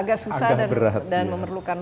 agak susah dan memerlukan